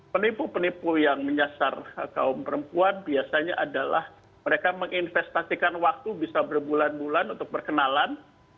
penipu penipu yang menyasar kaum perempuan biasanya adalah mereka menginvestasikan waktu bisa berbulan bulan untuk berkenalan